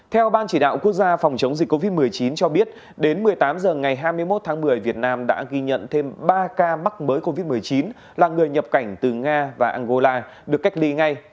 theo ban chỉ đạo quốc gia phòng chống dịch covid một mươi chín cho biết đến một mươi tám h ngày hai mươi một tháng một mươi việt nam đã ghi nhận thêm ba ca mắc mới covid một mươi chín là người nhập cảnh từ nga và angola được cách ly ngay